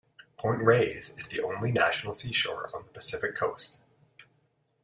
Point Reyes is the only national seashore on the Pacific coast.